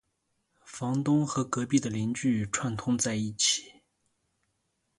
房东和隔壁的邻居串通在一起